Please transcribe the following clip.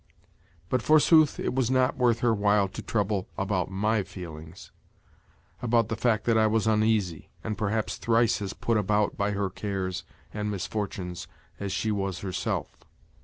But, forsooth, it was not worth her while to trouble about my feelings—about the fact that I was uneasy, and, perhaps, thrice as put about by her cares and misfortunes as she was herself!